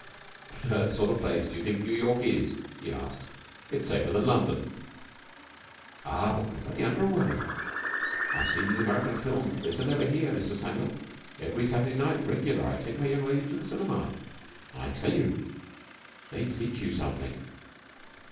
"What on earth sort of place do you think New York is?" he asked. "It's safer than London." "Ah, but what about the underworld? I've seen these American films that they send over here, Mr. Samuel. Every Saturday night regular I take my young lady to a cinema, and, I tell you, they teach you something.